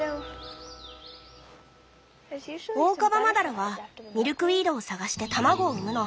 オオカバマダラはミルクウィードを探して卵を産むの。